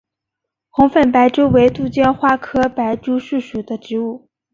红粉白珠为杜鹃花科白珠树属的植物。